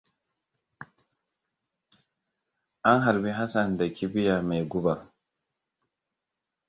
An harbi Hassan da kibiya mai guba.